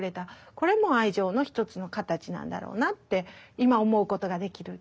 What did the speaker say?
これも愛情の一つの形なんだろうなって今思うことができる。